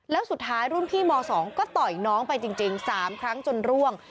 แล้วสุดท้ายรุ่นพี่ม๒ก็ต่อยน้องไปจริง๓ครั้งจนร่วง